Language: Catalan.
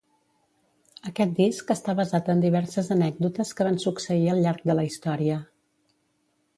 Aquest disc està basat en diverses anècdotes que van succeir al llarg de la història.